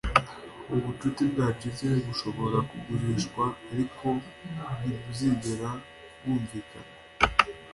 ubucuti bwacitse bushobora kugurishwa, ariko ntibuzigera bwumvikana.